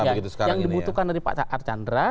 yang dibutuhkan dari pak archandra